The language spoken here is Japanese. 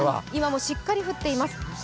今もしっかり降っています。